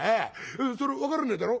それ分からねえだろ。